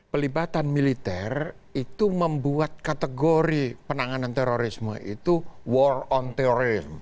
pelibatan militer itu membuat kategori penanganan terorisme itu war on terrorism